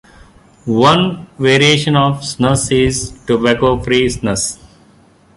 One variation of snus is tobacco-free snus.